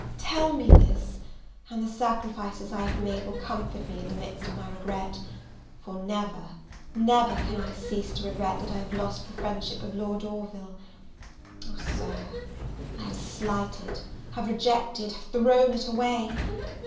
Tell me this, and the sacrifices I have made will comfort me in the midst of my regret, for never, never can I cease to regret that I have lost the friendship of Lord Orville! Oh, Sir, I have slighted, have rejected, have thrown it away!